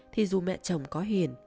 thì dù mẹ chồng có hiền